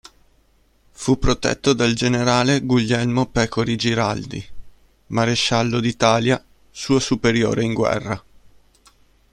Fu protetto dal generale Guglielmo Pecori Giraldi, maresciallo d'Italia, suo superiore in guerra.